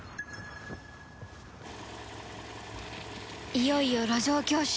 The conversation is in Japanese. いよいよ路上教習